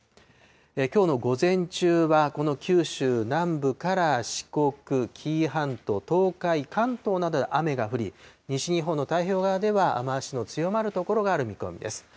きょうの午前中は、この九州南部から、四国、紀伊半島、東海、関東などで雨が降り、西日本の太平洋側では雨足の強まる所がある見込みです。